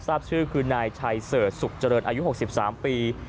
ทราบชื่อคือนายชัยเสิร์ชสุขเจริญอายุ๖๓ปี